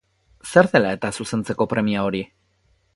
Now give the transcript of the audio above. Zer dela eta zuzentzeko premia hori?